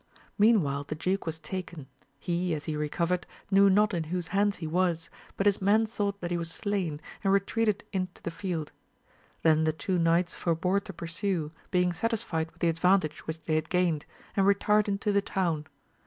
Meanwhile the duke was taken ; he, as lie recovered, knew not in whose hands he was, but his men thought that he was slain, and retreated into the field. Then the two knights forebore to pursue, being satisfied with the advantage which they had gained, and retired into the town.